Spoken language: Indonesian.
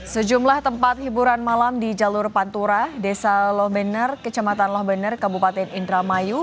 sejumlah tempat hiburan malam di jalur pantura desa lobener kecamatan lohbener kabupaten indramayu